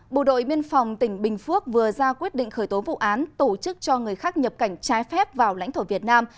bộ đội biên phòng tỉnh bình phước vừa ra quyết định khởi tố vụ án tổ chức cho người khác nhập cảnh trái phép vào lãnh thổ việt nam